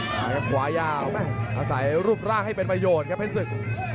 กับขวายาวมาอาศัยรูปร่างให้เป็นประโยชน์ครับศึก